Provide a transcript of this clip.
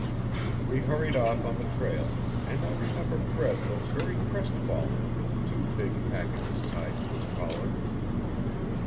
We hurried off on the trail and I remember Fred looked very crestfallen with two big packages tied to his collar.